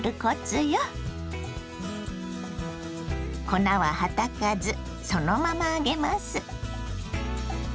粉ははたかずそのまま揚げます。